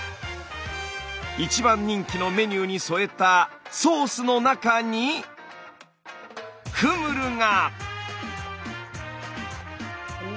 一番人気のメニューに添えたソースの中にフムルが！